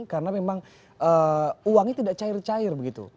karena memang uangnya tidak cair cair begitu